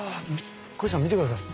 こひさん見てください。